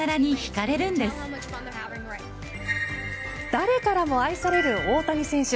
誰からも愛される大谷選手。